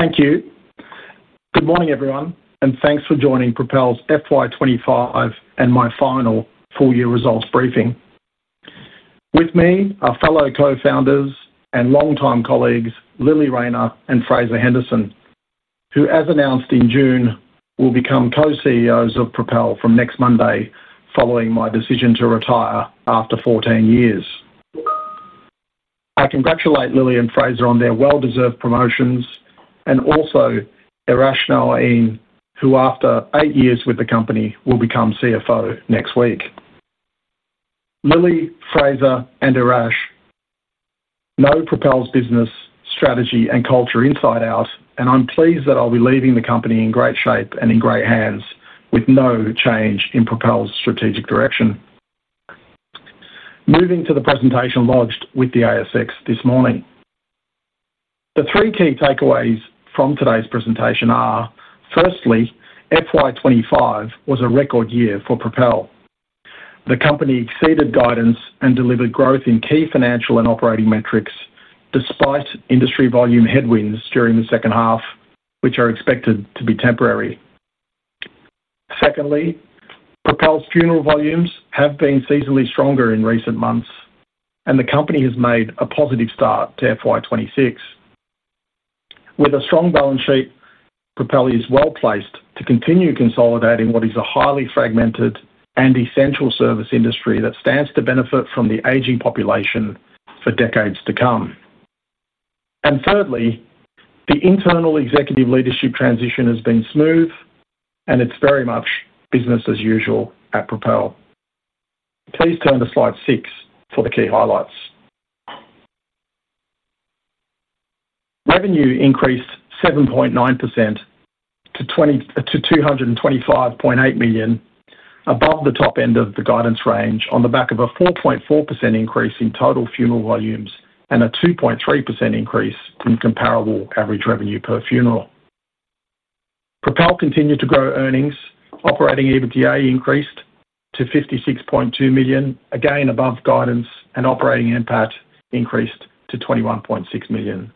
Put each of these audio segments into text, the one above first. Thank you. Good morning, everyone, and thanks for joining Propel's FY 2025 and my final full-year results briefing. With me are fellow co-founders and long-time colleagues, Lilli Rayner and Fraser Henderson, who, as announced in June, will become co-CEOs of Propel from next Monday, following my decision to retire after 14 years. I congratulate Lilli and Fraser on their well-deserved promotions and also Arash Nain, who, after eight years with the company, will become CFO next week. Lilli, Fraser, and Arash know Propel's business, strategy, and culture inside out, and I'm pleased that I'll be leaving the company in great shape and in great hands, with no change in Propel's strategic direction. Moving to the presentation lodged with the ASX this morning. The three key takeaways from today's presentation are: firstly, FY 2025 was a record year for Propel. The company exceeded guidance and delivered growth in key financial and operating metrics, despite industry volume headwinds during the second half, which are expected to be temporary. Secondly, Propel's funeral volumes have been seasonally stronger in recent months, and the company has made a positive start to FY 2026. With a strong balance sheet, Propel is well placed to continue consolidating what is a highly fragmented and essential service industry that stands to benefit from the aging population for decades to come. Thirdly, the internal executive leadership transition has been smooth, and it's very much business as usual at Propel. Please turn to slide six for the key highlights. Revenue increased 7.9% to 225.8 million, above the top end of the guidance range, on the back of a 4.4% increase in total funeral volumes and a 2.3% increase in comparable average revenue per funeral. Propel continued to grow earnings, operating EBITDA increased to 56.2 million, again above guidance, and operating impact increased to 21.6 million.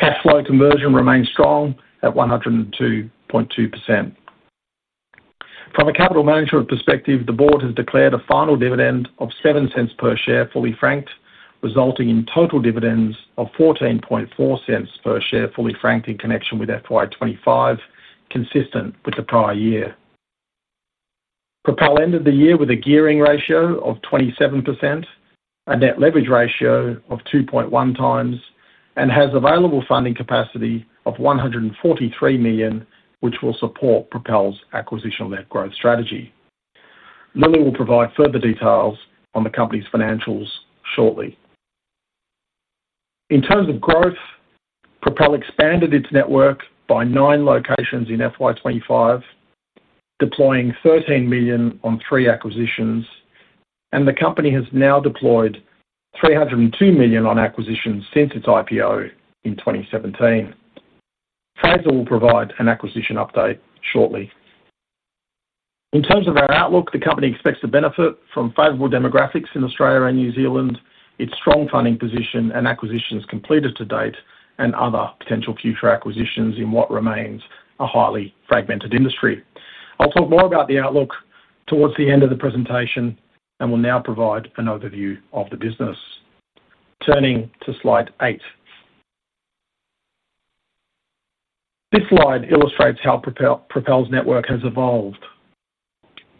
Cash flow conversion remains strong at 102.2%. From a capital management perspective, the board has declared a final dividend of 0.07 per share fully franked, resulting in total dividends of 0.144 per share fully franked in connection with FY 2025, consistent with the prior year. Propel ended the year with a gearing ratio of 27%, a net leverage ratio of 2.1 times, and has available funding capacity of 143 million, which will support Propel's acquisition-led growth strategy. Lilli will provide further details on the company's financials shortly. In terms of growth, Propel expanded its network by nine locations in FY 2025, deploying 13 million on three acquisitions, and the company has now deployed 302 million on acquisitions since its IPO in 2017. Fraser will provide an acquisition update shortly. In terms of our outlook, the company expects to benefit from favorable demographics in Australia and New Zealand, its strong funding position, and acquisitions completed to date, and other potential future acquisitions in what remains a highly fragmented industry. I'll talk more about the outlook towards the end of the presentation, and will now provide an overview of the business. Turning to slide eight. This slide illustrates how Propel's network has evolved.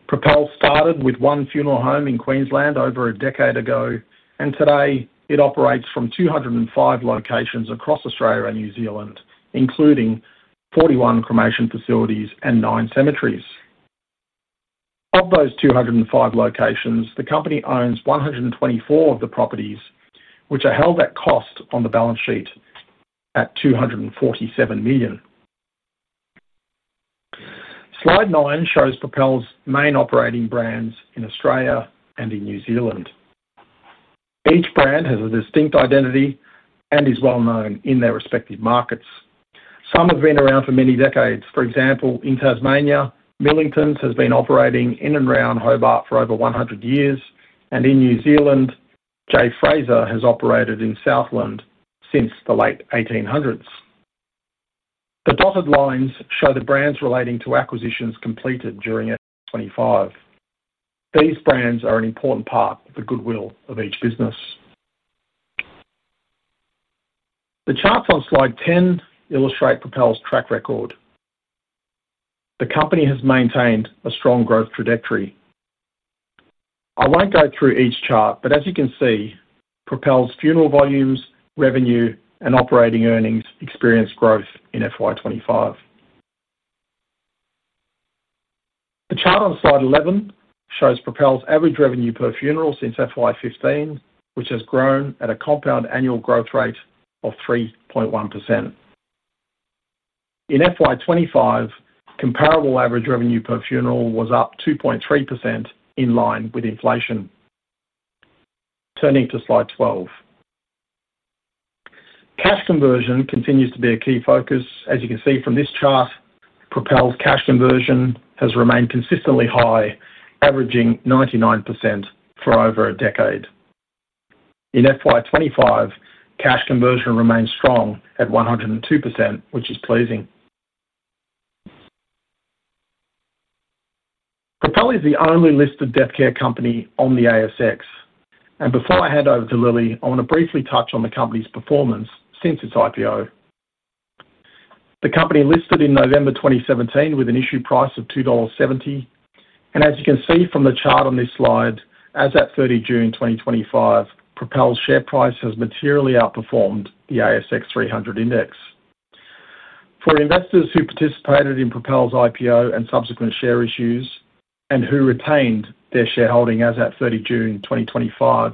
Propel started with one funeral home in Queensland over a decade ago, and today it operates from 205 locations across Australia and New Zealand, including 41 cremation facilities and nine cemeteries. Of those 205 locations, the company owns 124 of the properties, which are held at cost on the balance sheet at 247 million. Slide nine shows Propel's main operating brands in Australia and in New Zealand. Each brand has a distinct identity and is well known in their respective markets. Some have been around for many decades. For example, in Tasmania, Millington's has been operating in and around Hobart for over 100 years, and in New Zealand, J. Fraser has operated in Southland since the late 1800s. The dotted lines show the brands relating to acquisitions completed during FY 2025. These brands are an important part of the goodwill of each business. The charts on slide 10 illustrate Propel's track record. The company has maintained a strong growth trajectory. I won't go through each chart, but as you can see, Propel's funeral volumes, revenue, and operating earnings experience growth in FY 2025. The chart on slide 11 shows Propel's average revenue per funeral since FY 2015, which has grown at a compound annual growth rate of 3.1%. In FY 2025, comparable average revenue per funeral was up 2.3% in line with inflation. Turning to slide 12. Cash conversion continues to be a key focus. As you can see from this chart, Propel's cash conversion has remained consistently high, averaging 99% for over a decade. In FY 2025, cash conversion remains strong at 102%, which is pleasing. Propel is the only listed death care company on the ASX. Before I hand over to Lilli, I want to briefly touch on the company's performance since its IPO. The company listed in November 2017 with an issue price of 2.70 dollars. As you can see from the chart on this slide, as at 30 June 2025, Propel's share price has materially outperformed the ASX 300 index. For investors who participated in Propel's IPO and subsequent share issues, and who retained their shareholding as at 30 June 2025,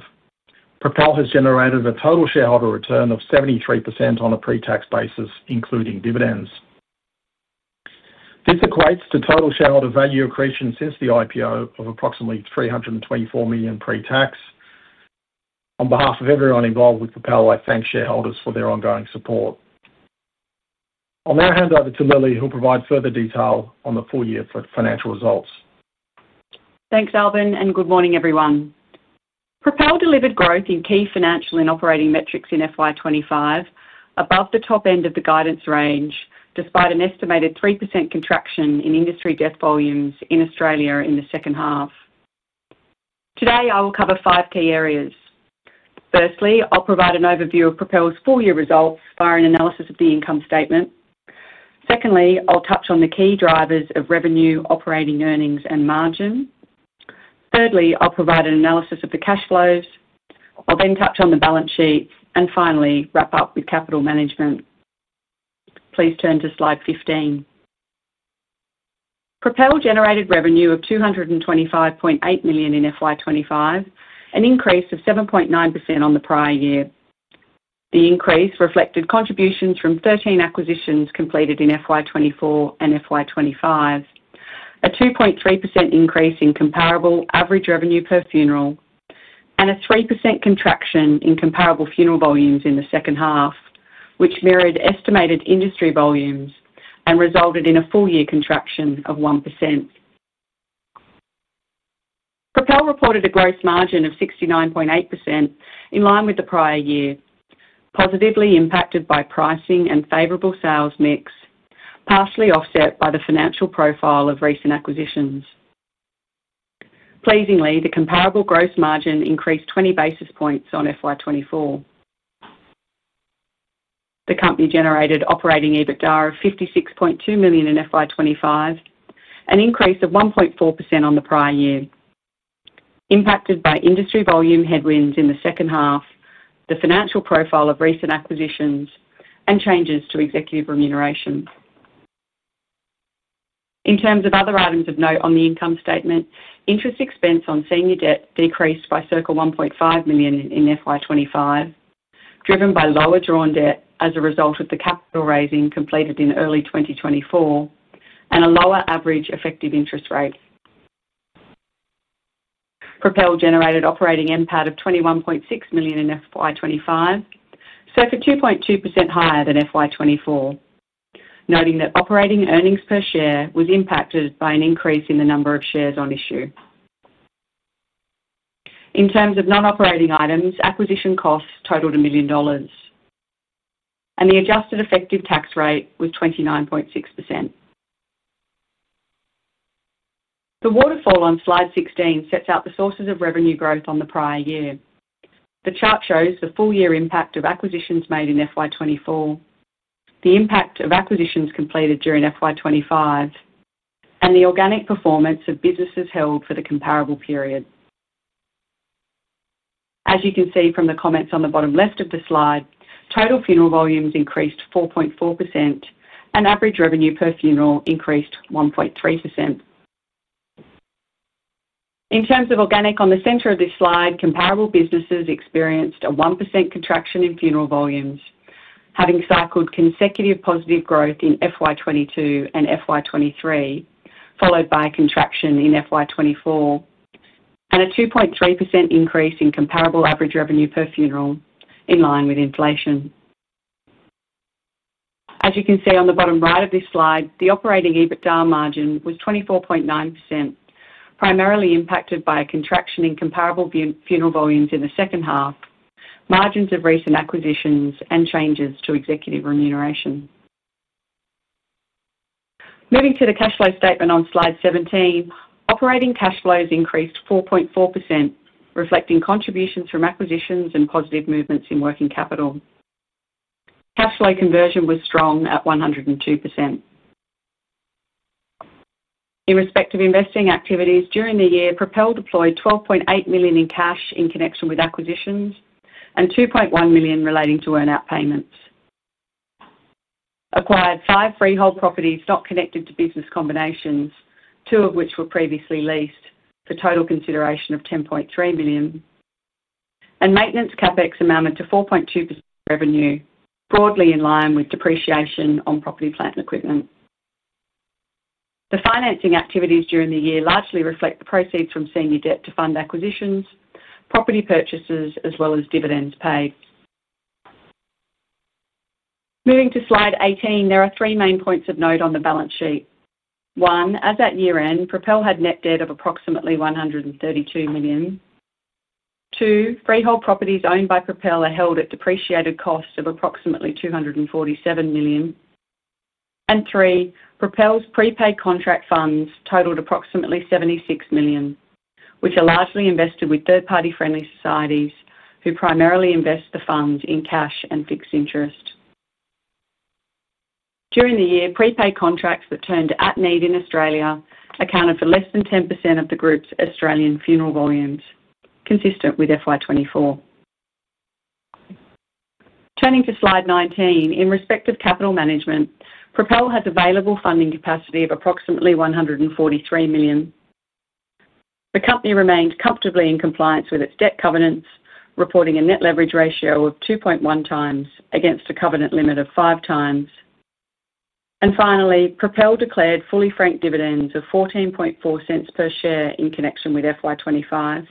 Propel has generated a total shareholder return of 73% on a pre-tax basis, including dividends. This equates to total shareholder value accretion since the IPO of approximately 324 million pre-tax. On behalf of everyone involved with Propel, I thank shareholders for their ongoing support. I'll now hand over to Lilli, who will provide further detail on the full-year financial results. Thanks, Albin, and good morning, everyone. Propel delivered growth in key financial and operating metrics in FY 2025, above the top end of the guidance range, despite an estimated 3% contraction in industry death volumes in Australia in the second half. Today, I will cover five key areas. Firstly, I'll provide an overview of Propel's full-year results via an analysis of the income statement. Secondly, I'll touch on the key drivers of revenue, operating earnings, and margin. Thirdly, I'll provide an analysis of the cash flows. I'll then touch on the balance sheet, and finally, wrap up with capital management. Please turn to slide 15. Propel generated revenue of 225.8 million in FY 2025, an increase of 7.9% on the prior year. The increase reflected contributions from 13 acquisitions completed in FY 2024 and FY 2025, a 2.3% increase in comparable average revenue per funeral, and a 3% contraction in comparable funeral volumes in the second half, which mirrored estimated industry volumes and resulted in a full-year contraction of 1%. Propel reported a gross margin of 69.8% in line with the prior year, positively impacted by pricing and favorable sales mix, partially offset by the financial profile of recent acquisitions. Pleasingly, the comparable gross margin increased 20 basis points on FY 2024. The company generated operating EBITDA of 56.2 million in FY 2025, an increase of 1.4% on the prior year, impacted by industry volume headwinds in the second half, the financial profile of recent acquisitions, and changes to executive remuneration. In terms of other items of note on the income statement, interest expense on senior debt decreased by circa 1.5 million in FY 2025, driven by lower drawn debt as a result of the capital raising completed in early 2024, and a lower average effective interest rate. Propel generated operating impact of 21.6 million in FY 2025, circa 2.2% higher than FY 2024, noting that operating earnings per share was impacted by an increase in the number of shares on issue. In terms of non-operating items, acquisition costs totaled 1 million dollars, and the adjusted effective tax rate was 29.6%. The waterfall on slide 16 sets out the sources of revenue growth on the prior year. The chart shows the full-year impact of acquisitions made in FY 2024, the impact of acquisitions completed during FY 2025, and the organic performance of businesses held for the comparable period. As you can see from the comments on the bottom left of the slide, total funeral volumes increased 4.4%, and average revenue per funeral increased 1.3%. In terms of organic, on the center of this slide, comparable businesses experienced a 1% contraction in funeral volumes, having cycled consecutive positive growth in FY 2022 and FY 2023, followed by a contraction in FY 2024, and a 2.3% increase in comparable average revenue per funeral, in line with inflation. As you can see on the bottom right of this slide, the operating EBITDA margin was 24.9%, primarily impacted by a contraction in comparable funeral volumes in the second half, margins of recent acquisitions, and changes to executive remuneration. Moving to the cash flow statement on slide 17, operating cash flows increased 4.4%, reflecting contributions from acquisitions and positive movements in working capital. Cash flow conversion was strong at 102%. In respect of investing activities during the year, Propel deployed 12.8 million in cash in connection with acquisitions and 2.1 million relating to earnout payments. Acquired five freehold properties not connected to business combinations, two of which were previously leased, for a total consideration of 10.3 million, and maintenance capex amounted to 4.2% of revenue, broadly in line with depreciation on property, plant, and equipment. The financing activities during the year largely reflect the proceeds from senior debt to fund acquisitions, property purchases, as well as dividends paid. Moving to slide 18, there are three main points of note on the balance sheet. One, as at year end, Propel had net debt of approximately 132 million. Two, freehold properties owned by Propel are held at depreciated costs of approximately 247 million. Three, Propel's prepaid contract funds totaled approximately 76 million, which are largely invested with third-party friendly societies, who primarily invest the funds in cash and fixed interest. During the year, prepaid contracts that turned at need in Australia accounted for less than 10% of the group's Australian funeral volumes, consistent with FY 2024. Turning to slide 19, in respect of capital management, Propel has available funding capacity of approximately 143 million. The company remained comfortably in compliance with its debt covenants, reporting a net leverage ratio of 2.1 times against a covenant limit of five times. Propel declared fully franked dividends of 0.144 per share in connection with FY 2025,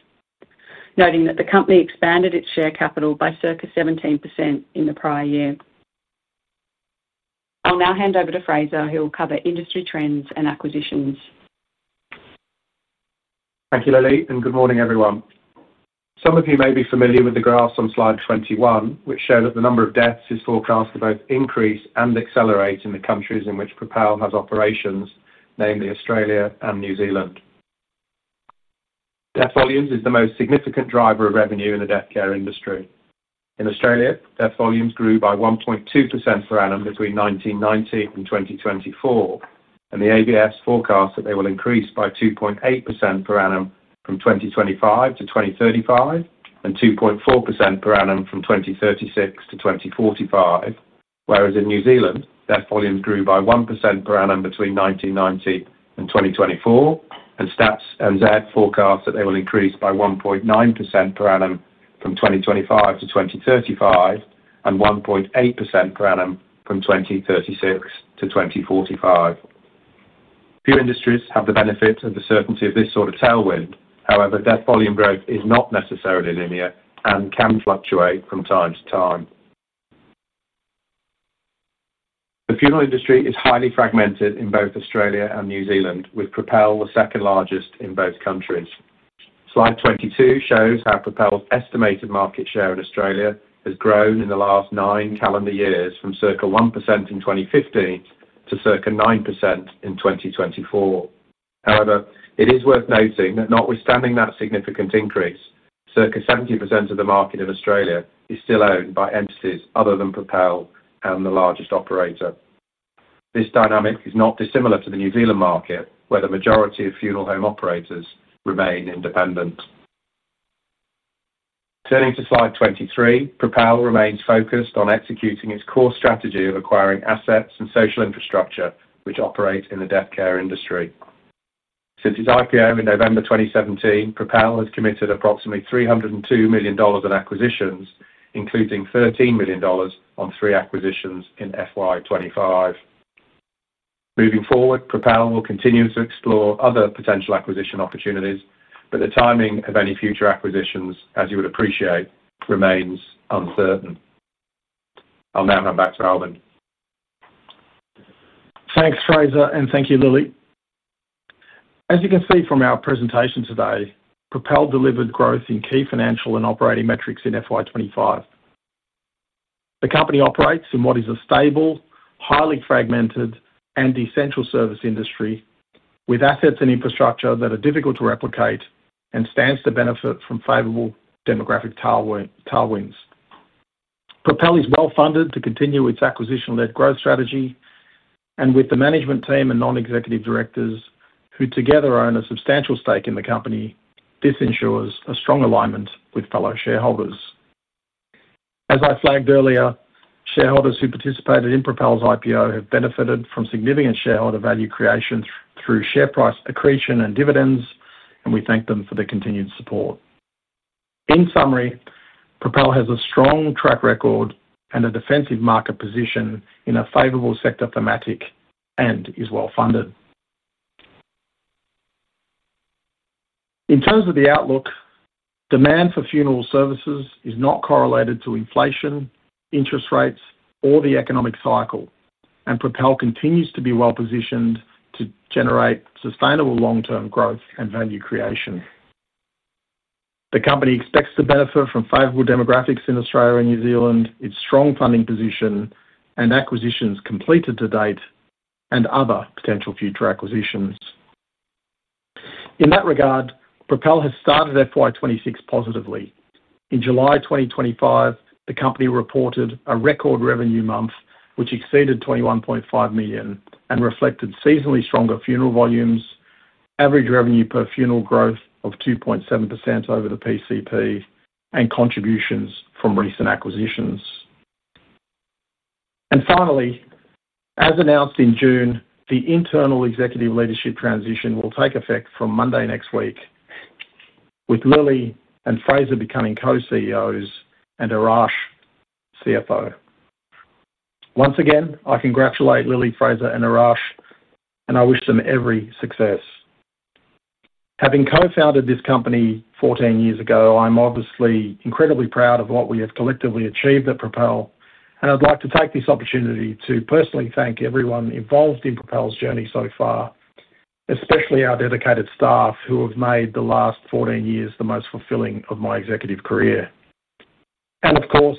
noting that the company expanded its share capital by circa 17% in the prior year. I'll now hand over to Fraser, who will cover industry trends and acquisitions. Thank you, Lilli, and good morning, everyone. Some of you may be familiar with the graphs on slide 21, which show that the number of deaths is forecast to both increase and accelerate in the countries in which Propel has operations, namely Australia and New Zealand. Death volumes are the most significant driver of revenue in the death care industry. In Australia, death volumes grew by 1.2% per annum between 1990 and 2024, and the ABFs forecast that they will increase by 2.8% per annum from 2025 to 2035 and 2.4% per annum from 2036 to 2045. Whereas in New Zealand, death volumes grew by 1% per annum between 1990 and 2024, and Stats NZ forecast that they will increase by 1.9% per annum from 2025 to 2035 and 1.8% per annum from 2036 to 2045. Few industries have the benefit of the certainty of this sort of tailwind. However, death volume growth is not necessarily linear and can fluctuate from time to time. The funeral industry is highly fragmented in both Australia and New Zealand, with Propel the second largest in both countries. Slide 22 shows how Propel's estimated market share in Australia has grown in the last nine calendar years, from circa 1% in 2015 to circa 9% in 2024. However, it is worth noting that notwithstanding that significant increase, circa 70% of the market in Australia is still owned by entities other than Propel and the largest operator. This dynamic is not dissimilar to the New Zealand market, where the majority of funeral home operators remain independent. Turning to slide 23, Propel remains focused on executing its core strategy of acquiring assets and social infrastructure which operate in the death care industry. Since its IPO in November 2017, Propel has committed approximately 302 million dollars in acquisitions, including 13 million dollars on three acquisitions in FY 2025. Moving forward, Propel will continue to explore other potential acquisition opportunities, but the timing of any future acquisitions, as you would appreciate, remains uncertain. I'll now hand back to Albin. Thanks, Fraser, and thank you, Lilli. As you can see from our presentation today, Propel delivered growth in key financial and operating metrics in FY 2025. The company operates in what is a stable, highly fragmented, and essential service industry, with assets and infrastructure that are difficult to replicate and stands to benefit from favorable demographic tailwinds. Propel is well funded to continue its acquisition-led growth strategy, and with the management team and non-executive directors who together own a substantial stake in the company, this ensures a strong alignment with fellow shareholders. As I flagged earlier, shareholders who participated in Propel's IPO have benefited from significant shareholder value creation through share price accretion and dividends, and we thank them for their continued support. In summary, Propel has a strong track record and a defensive market position in a favorable sector thematic and is well funded. In terms of the outlook, demand for funeral services is not correlated to inflation, interest rates, or the economic cycle, and Propel continues to be well positioned to generate sustainable long-term growth and value creation. The company expects to benefit from favorable demographics in Australia and New Zealand, its strong funding position, and acquisitions completed to date, and other potential future acquisitions. In that regard, Propel has started FY 2026 positively. In July 2025, the company reported a record revenue month, which exceeded 21.5 million and reflected seasonally stronger funeral volumes, average revenue per funeral growth of 2.7% over the PCP, and contributions from recent acquisitions. Finally, as announced in June, the internal executive leadership transition will take effect from Monday next week, with Lilli and Fraser becoming co-CEOs and Arash CFO. Once again, I congratulate Lilli, Fraser, and Arash, and I wish them every success. Having co-founded this company 14 years ago, I'm obviously incredibly proud of what we have collectively achieved at Propel, and I'd like to take this opportunity to personally thank everyone involved in Propel's journey so far, especially our dedicated staff who have made the last 14 years the most fulfilling of my executive career. Of course,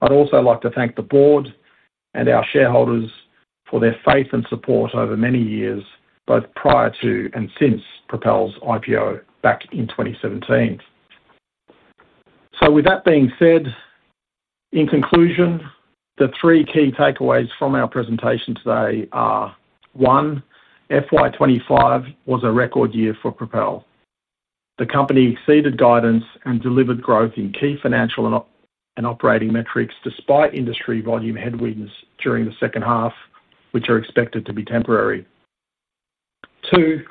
I'd also like to thank the board and our shareholders for their faith and support over many years, both prior to and since Propel's IPO back in 2017. With that being said, in conclusion, the three key takeaways from our presentation today are: one, FY 2025 was a record year for Propel. The company exceeded guidance and delivered growth in key financial and operating metrics, despite industry volume headwinds during the second half, which are expected to be temporary. Two,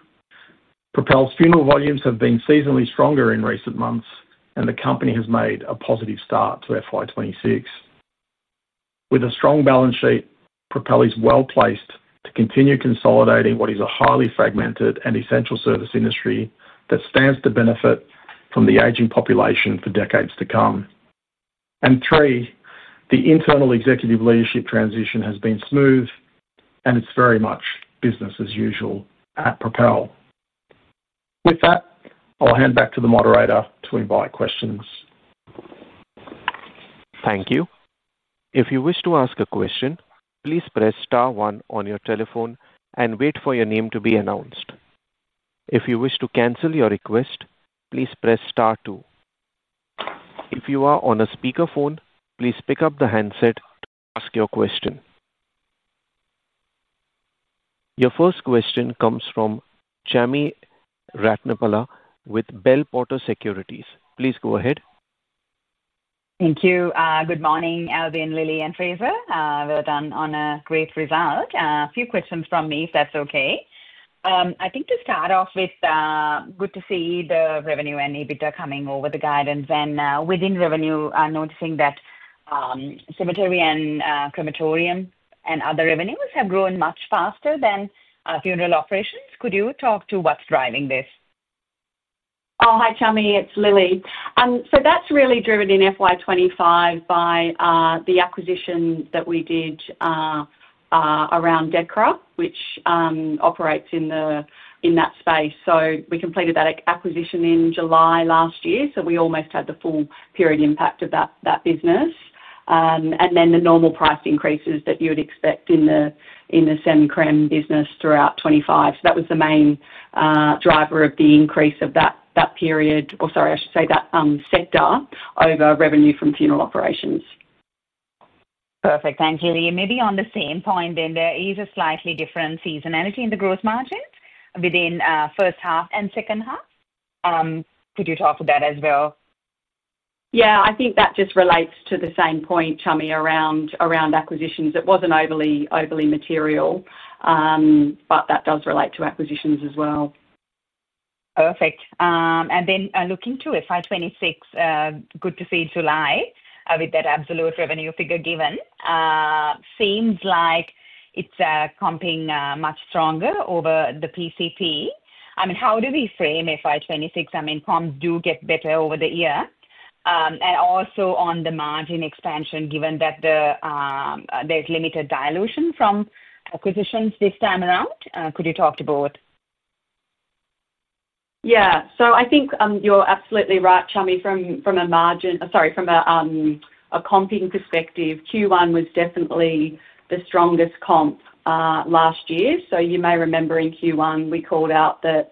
Propel's funeral volumes have been seasonally stronger in recent months, and the company has made a positive start to FY 2026. With a strong balance sheet, Propel is well placed to continue consolidating what is a highly fragmented and essential service industry that stands to benefit from the aging population for decades to come. Three, the internal executive leadership transition has been smooth, and it's very much business as usual at Propel. With that, I'll hand back to the moderator to invite questions. Thank you. If you wish to ask a question, please press star one on your telephone and wait for your name to be announced. If you wish to cancel your request, please press star two. If you are on a speakerphone, please pick up the handset and ask your question. Your first question comes from Chami Ratnapala with Bell Potter Securities. Please go ahead. Thank you. Good morning, Albin, Lilli, and Fraser. Well done on a great result. A few questions from me, if that's okay. I think to start off with, good to see the revenue and EBITDA coming over the guidance. Within revenue, I'm noticing that cemetery and cremation and other revenues have grown much faster than funeral operations. Could you talk to what's driving this? Oh, hi, Chami. It's Lilli. That's really driven in FY 2025 by the acquisition that we did around Decra, which operates in that space. We completed that acquisition in July last year, so we almost had the full period impact of that business. The normal price increases that you'd expect in the cremation services business throughout 2025 were also a factor. That was the main driver of the increase in that period, or sorry, I should say that sector over revenue from funeral operations. Perfect. Thanks, Lilli. Maybe on the same point, there is a slightly different seasonality in the gross margins within first half and second half. Could you talk to that as well? I think that just relates to the same point, Chami, around acquisitions. It wasn't overly material, but that does relate to acquisitions as well. Perfect. Looking to FY 2026, good to see July, with that absolute revenue figure given, seems like it's comping much stronger over the PCP. How do we frame FY 2026? Comps do get better over the year. Also, on the margin expansion, given that there's limited dilution from acquisitions this time around, could you talk to both? Yeah, I think you're absolutely right, Chami. From a margin, sorry, from a comping perspective, Q1 was definitely the strongest comp last year. You may remember in Q1, we called out that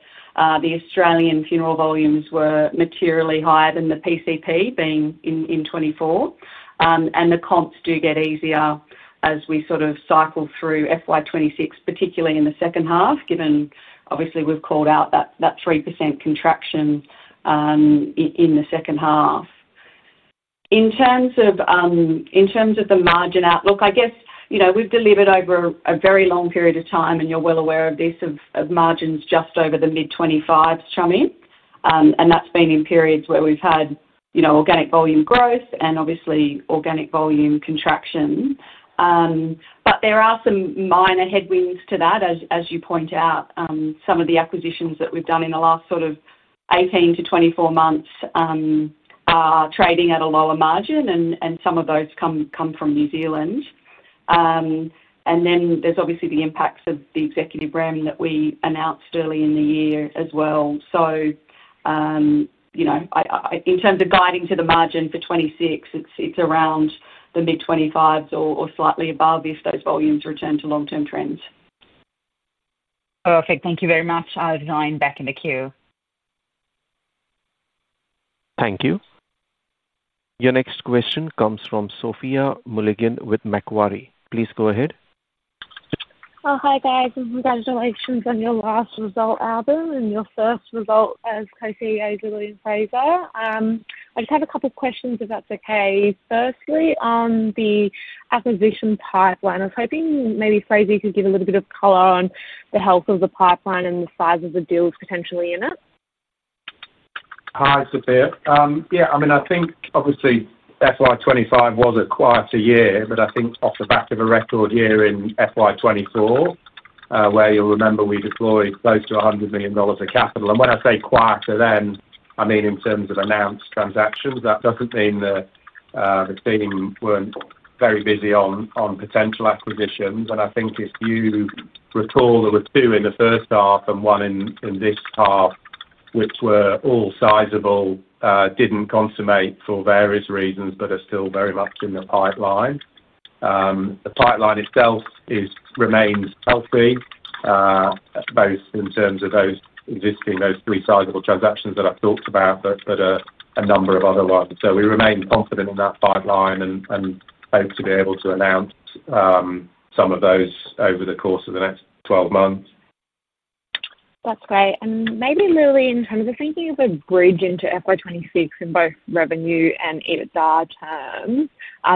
the Australian funeral volumes were materially higher than the PCP being in 2024. The comps do get easier as we sort of cycle through FY 2026, particularly in the second half, given we've called out that 3% contraction in the second half. In terms of the margin outlook, I guess, you know, we've delivered over a very long period of time, and you're well aware of this, of margins just over the mid-25s, Chami. That's been in periods where we've had, you know, organic volume growth and obviously organic volume contraction. There are some minor headwinds to that, as you point out. Some of the acquisitions that we've done in the last 18-24 months are trading at a lower margin, and some of those come from New Zealand. There's obviously the impacts of the executive realm that we announced early in the year as well. In terms of guiding to the margin for 2026, it's around the mid-25s or slightly above if those volumes return to long-term trends. Perfect. Thank you very much. I'll join back in the queue. Thank you. Your next question comes from Sophia Mulligan with Macquarie. Please go ahead. Hi, guys. We've got a deletion from your last result, Albin, and your first result as co-CEOs of Lilli and Fraser. I just have a couple of questions, if that's okay. Firstly, on the acquisition pipeline, I was hoping maybe Fraser could give a little bit of color on the health of the pipeline and the size of the deals potentially in it. Hi, Sophia. Yeah, I mean, I think obviously FY 2025 was a quieter year, but I think off the back of a record year in FY 2024, where you'll remember we deployed close to 100 million dollars of capital. When I say quieter then, I mean in terms of announced transactions. That doesn't mean that the team weren't very busy on potential acquisitions. If you recall, there were two in the first half and one in this half, which were all sizable, didn't consummate for various reasons, but are still very much in the pipeline. The pipeline itself remains healthy, both in terms of those existing, those three sizable transactions that I've talked about, but a number of other ones. We remain confident in that pipeline and hope to be able to announce some of those over the course of the next 12 months. That's great. Lilli, in terms of thinking of a bridge into FY 2026 in both revenue and EBITDA terms,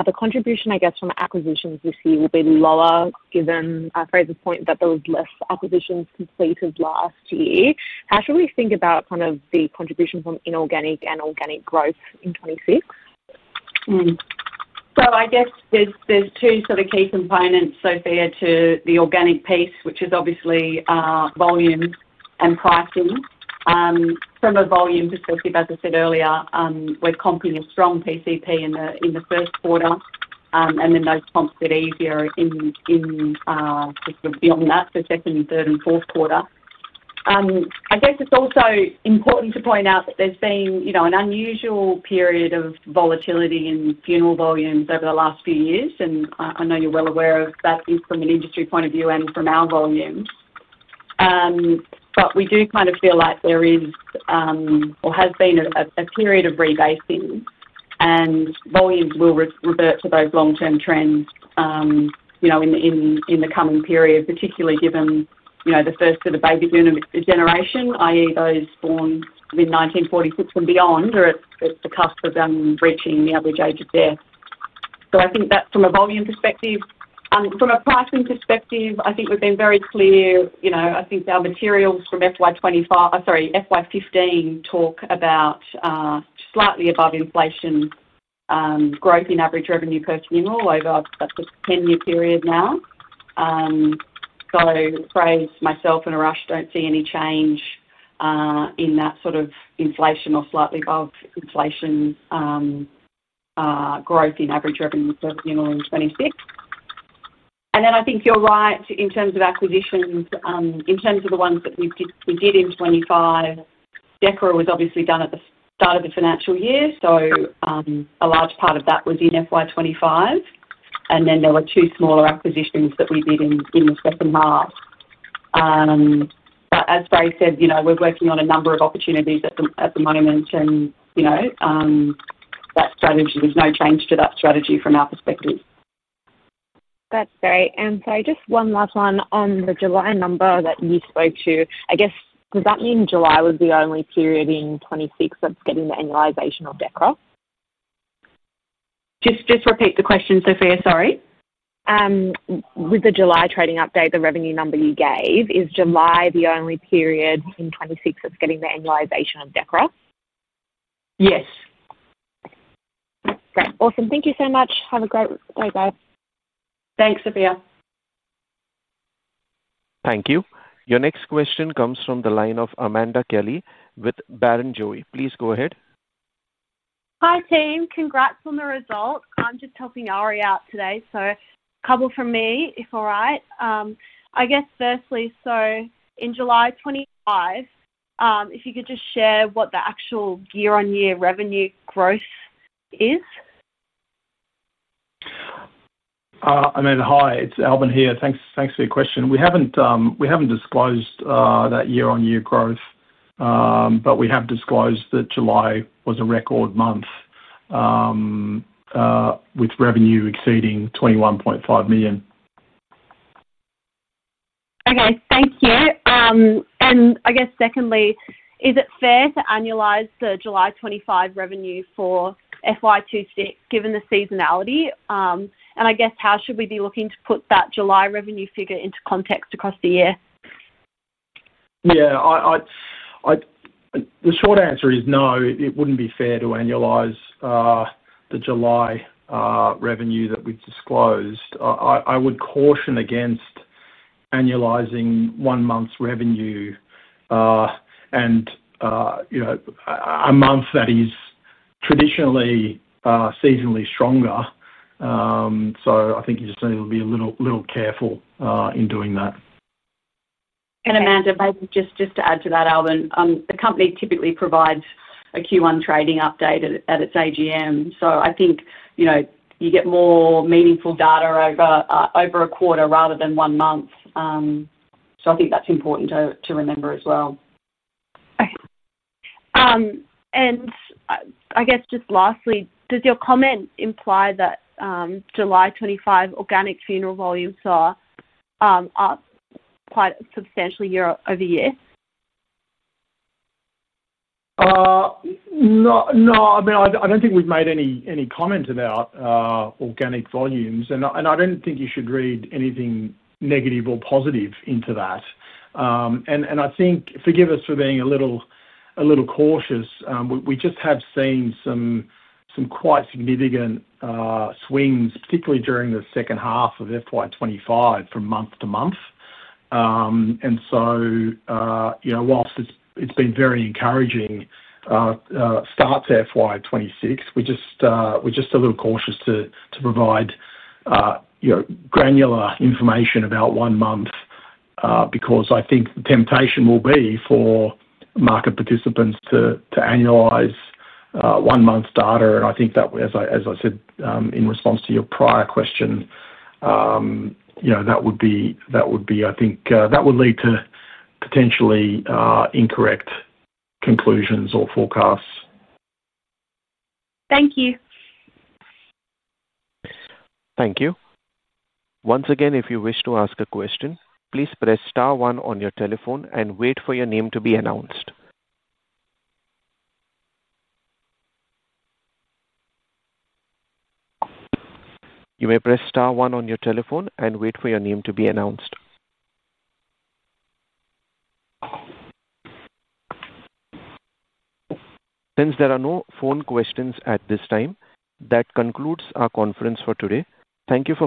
the contribution, I guess, from acquisitions you see will be lower, given Fraser's point that there were less acquisitions completed last year. How should we think about the contribution from inorganic and organic growth in 2026? I guess there's two sort of key components, Sophia, to the organic piece, which is obviously volume and pricing. From a volume perspective, as I said earlier, we're comping a strong PCP in the first quarter, and then those comps get easier beyond that, so second, third, and fourth quarter. It's also important to point out that there's been an unusual period of volatility in funeral volumes over the last few years, and I know you're well aware of that, at least from an industry point of view and from our volumes. We do kind of feel like there is, or has been, a period of rebasing, and volumes will revert to those long-term trends in the coming period, particularly given the first of the baby generation, i.e., those born within 1946 and beyond, are at the cusp of them reaching the average age of death. I think that from a volume perspective. From a pricing perspective, I think we've been very clear. I think our materials from FY 2015 talk about slightly above inflation growth in average revenue per funeral over the 10-year period now. Fraser, myself, and Arash don't see any change in that sort of inflation or slightly above inflation growth in average revenue per funeral in 2026. I think you're right in terms of acquisitions. In terms of the ones that we did in 2025, Decra was obviously done at the start of the financial year, so a large part of that was in FY 2025. There were two smaller acquisitions that we did in the second half. As Fraser said, we're working on a number of opportunities at the moment, and that strategy was no change to that strategy from our perspective. That's great. Fraser, just one last one on the July number that you spoke to. I guess, does that mean July was the only period in 2026 that's getting the annualization of Decra? Just repeat the question, Sophia. Sorry. With the July trading update, the revenue number you gave, is July the only period in 2026 that's getting the annualization of Decra? Yes. Great. Awesome. Thank you so much. Have a great day, both. Thanks, Sophia. Thank you. Your next question comes from the line of Amanda Kelly with Barrenjoey. Please go ahead. Hi, team. Congrats on the result. I'm just helping Ari out today, so a couple from me, if all right. I guess firstly, in July 2025, if you could just share what the actual year-on-year revenue growth is. Hi, it's Albin here. Thanks for your question. We haven't disclosed that year-on-year growth, but we have disclosed that July was a record month with revenue exceeding 21.5 million. Thank you. Is it fair to annualize the July 2025 revenue for FY 2026, given the seasonality? How should we be looking to put that July revenue figure into context across the year? Yeah, the short answer is no. It wouldn't be fair to annualize the July revenue that we've disclosed. I would caution against annualizing one month's revenue, and, you know, a month that is traditionally seasonally stronger. I think you just need to be a little careful in doing that. Amanda, maybe just to add to that, Albin, the company typically provides a Q1 trading update at its AGM. I think you get more meaningful data over a quarter rather than one month. I think that's important to remember as well. Okay. I guess just lastly, does your comment imply that July 2025 organic funeral volumes are up quite substantially year-over-year? No, I mean, I don't think we've made any comment about organic volumes, and I don't think you should read anything negative or positive into that. I think, forgive us for being a little cautious, we just have seen some quite significant swings, particularly during the second half of FY 2025, from month to month. Whilst it's been very encouraging start to FY 2026, we're just a little cautious to provide granular information about one month because I think the temptation will be for market participants to annualize one month's data. I think that, as I said in response to your prior question, that would lead to potentially incorrect conclusions or forecasts. Thank you. Thank you. Once again, if you wish to ask a question, please press star one on your telephone and wait for your name to be announced. You may press star one on your telephone and wait for your name to be announced. Since there are no phone questions at this time, that concludes our conference for today. Thank you.